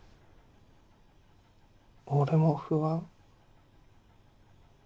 俺も不安。